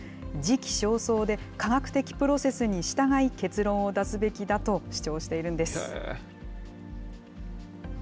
時期尚早で、科学的プロセスに従い、結論を出すべきだと主張しているんです。